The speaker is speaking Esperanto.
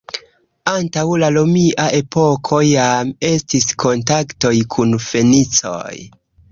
Antaŭ la romia epoko jam estis kontaktoj kun fenicoj.